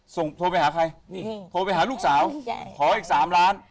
โทรไปหาใครนี่โทรไปหาลูกสาวขออีก๓ล้าน